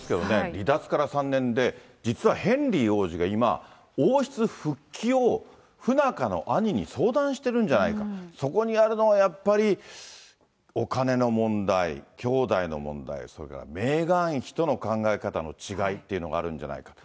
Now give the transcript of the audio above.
離脱から３年で、実はヘンリー王子が今、王室復帰を不仲の兄に相談してるんじゃないか、そこにあるのはやっぱり、お金の問題、兄弟の問題、それからメーガン妃との考え方の違いっていうのがあるんじゃないかと。